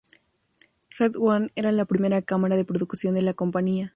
Red One era la primera cámara de producción de la compañía.